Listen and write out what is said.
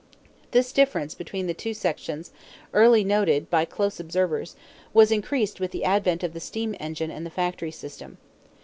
This difference between the two sections, early noted by close observers, was increased with the advent of the steam engine and the factory system.